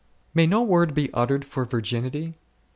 May no word be uttered for virginity